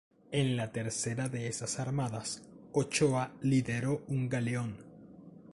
En la tercera de esas armadas, Ochoa lideró un galeón.